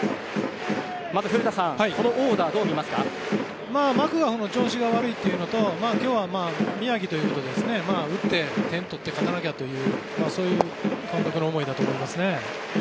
古田さん、このオーダーマクガフも調子が悪いというのと今日は宮城ということで打って、点を取って勝たなきゃという、そういう監督の思いだと思いますね。